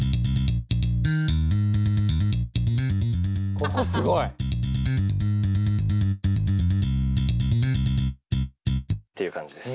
ここすごい！っていう感じです。